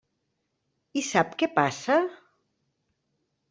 I sap què passa?